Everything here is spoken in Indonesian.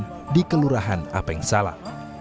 tidak ada keleluhan apa yang salah